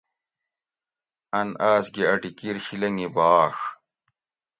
ان آس گی اۤ ڈیکیر شی لنگی بھاڛ